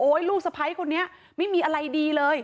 โอ้ยลูกสะไพรคนนี้ไม่มีอะไรดีเลย